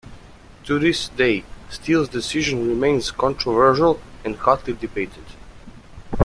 To this day, Steele's decision remains controversial and hotly debated.